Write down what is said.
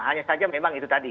hanya saja memang itu tadi